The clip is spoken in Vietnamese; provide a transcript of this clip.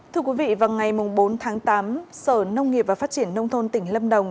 thưa quý vị vào ngày bốn tháng tám sở nông nghiệp và phát triển nông thôn tỉnh lâm đồng